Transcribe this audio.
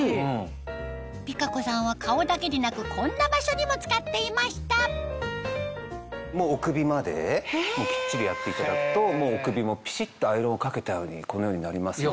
ピカ子さんは顔だけでなくこんな場所にも使っていましたお首まできっちりやっていただくとお首もピシっとアイロンをかけたようにこのようになりますので。